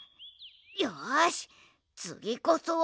よしつぎこそは。